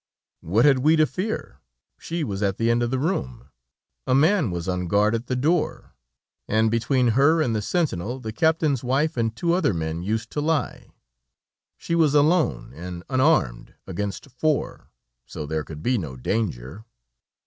What had we to fear? She was at the end of the room, a man was on guard at the door, and between her and the sentinel the captain's wife and two other men used to lie. She was alone and unarmed against four, so there could be no danger.